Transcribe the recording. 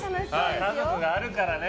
家族があるからね。